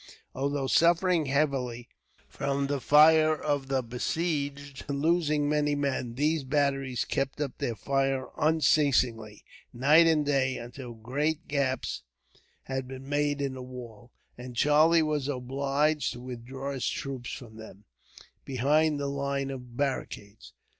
Although suffering heavily from the fire of the besieged, and losing many men, these batteries kept up their fire unceasingly, night and day, until great gaps had been made in the walls, and Charlie was obliged to withdraw his troops from them, behind the line of barricades.